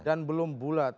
dan belum bulat